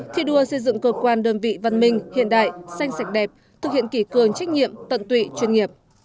thi đua xây dựng cơ quan đơn vị văn minh hiện đại xanh sạch đẹp thực hiện kỷ cường trách nhiệm tận tụy chuyên nghiệp